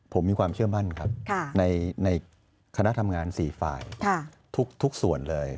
ผมมีความเชื่อมั่นครับในคณะทำงาน๔ฝ่ายทุกส่วนเลย